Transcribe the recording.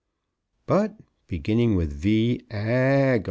But, beginning with _V.